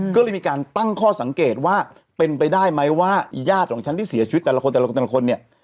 ก็เลยมีการตั้งข้อสังเกตว่าเป็นไปได้ไหมว่าญาติของฉันที่เสียชีวิตแต่ละคนแต่ละคนแต่ละคนเนี่ย